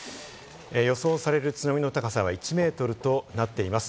予想される津波の高さは１ｍとなっています。